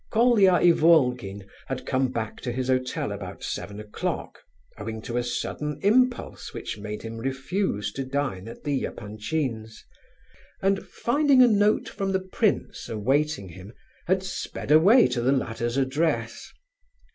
Colia Ivolgin had come back to his hotel about seven o'clock, owing to a sudden impulse which made him refuse to dine at the Epanchins', and, finding a note from the prince awaiting him, had sped away to the latter's address.